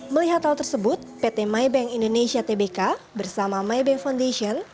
melihat hal tersebut pt my bank indonesia tbk bersama my bank foundation